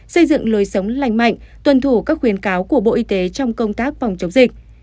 xây dựng lối sống lành mạnh tuân thủ các khuyến cáo của bộ y tế trong công tác phòng chống dịch